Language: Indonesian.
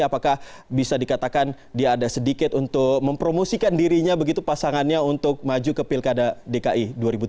apakah bisa dikatakan dia ada sedikit untuk mempromosikan dirinya begitu pasangannya untuk maju ke pilkada dki dua ribu tujuh belas